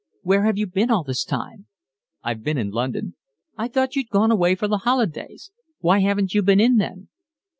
"Where have you been all this time?" "I've been in London." "I thought you'd gone away for the holidays. Why haven't you been in then?"